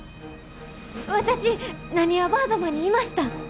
私なにわバードマンにいました！